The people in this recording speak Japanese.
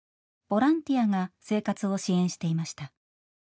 ボランティアが生活を支援していました。